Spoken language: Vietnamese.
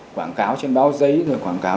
quảng cáo trên báo giấy rồi quảng cáo